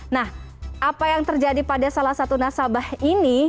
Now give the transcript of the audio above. nah apa yang terjadi pada salah satu nasabah ini